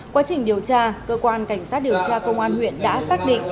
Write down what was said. quá trình điều tra cơ quan cảnh sát điều tra công an huyện đã xác định